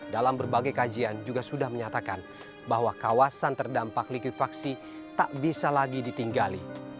dalam berbagai kajian juga sudah menyatakan bahwa kawasan terdampak likuifaksi tak bisa lagi ditinggali